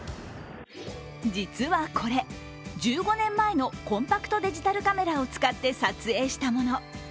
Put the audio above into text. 実はこれ、１５年前のコンパクトデジタルカメラを使って撮影したもの。